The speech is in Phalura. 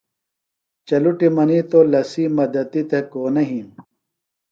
چلُٹیۡ منیتو لسی مدتی تھےۡ کونہ یھین۔